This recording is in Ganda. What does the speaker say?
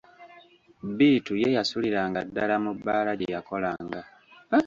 Bittu ye yasuliranga ddala mu bbaala gye yakolanga.